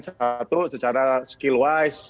satu secara skill wise